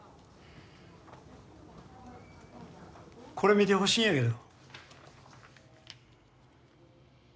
これ見てほしいんやけど。